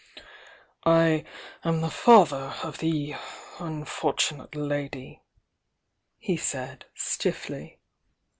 "I am the father of the unfortunate lady," he said stifiBy.